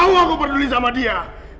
kamu tau aku peduli sama dia